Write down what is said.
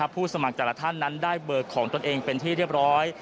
ผู้สมัครแต่ละท่านนั้นได้เบอร์ของตนเองเป็นที่เรียบร้อย